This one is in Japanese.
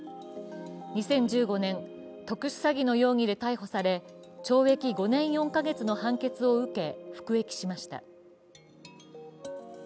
２０１５年、特殊詐欺の容疑で逮捕され懲役５年４か月の判決を受け、服役しました。